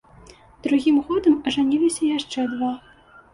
Другім годам ажаніліся яшчэ два.